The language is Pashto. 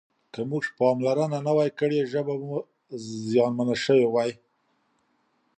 که موږ پاملرنه نه وای کړې ژبه به زیانمنه سوې وای.